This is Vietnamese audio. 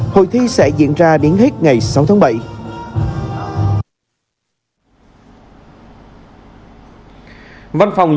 hội thi sẽ diễn ra đến hết ngày sáu tháng bảy